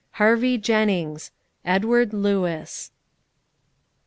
HARVEY JENNINGS. EDWARD LEWIS."